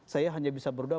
saya hanya bisa berdoa